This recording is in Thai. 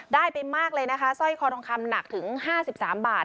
ได้ไปมากเลยนะคะสร้อยคอทองคำหนักถึง๕๓บาท